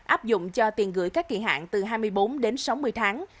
áp dụng cho tiền gửi các kỳ hạn từ hai mươi bốn đến sáu mươi tháng